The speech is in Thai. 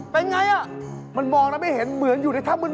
เป็นไงอ่ะมันมองแล้วไม่เห็นเหมือนอยู่ในถ้ำมืด